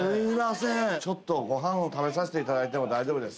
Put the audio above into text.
ちょっとご飯を食べさせていただいても大丈夫です？